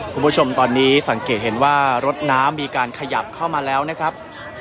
คุณผู้ชมตอนนี้สังเกตเห็นว่ารถน้ำมีการขยับเข้ามาแล้วนะครับ